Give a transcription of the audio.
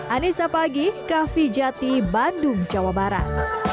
anissa pagih cafe jati bandung jawa barat